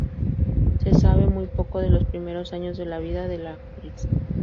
Se sabe muy poco de los primeros años de la vida de la actriz.